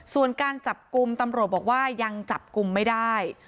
ส่วนการจับกลุ่มตำรวจบอกว่ายังจับกลุ่มไม่ได้